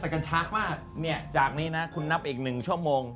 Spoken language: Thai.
ถ้าจากนี้นะคุณนับอีก๑ชั่วโมง